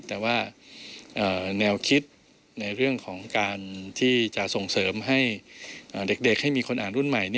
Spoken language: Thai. แต่ว่าแนวคิดในเรื่องของการที่จะส่งเสริมให้เด็กให้มีคนอ่านรุ่นใหม่